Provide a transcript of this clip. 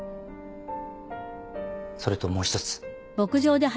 それともう一つ。